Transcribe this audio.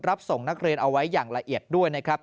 รับส่งนักเรียนเอาไว้อย่างละเอียดด้วยนะครับ